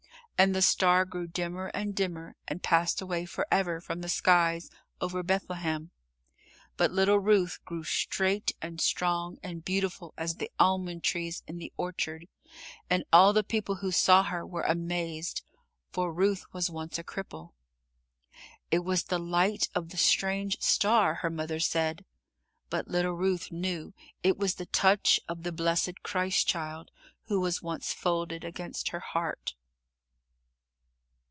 And the star grew dimmer and dimmer and passed away forever from the skies over Bethlehem, but little Ruth grew straight and strong and beautiful as the almond trees in the orchard, and all the people who saw her were amazed, for Ruth was once a cripple. "It was the light of the strange star," her mother said, but little Ruth knew it was the touch of the blessed Christ Child, who was once folded against her heart.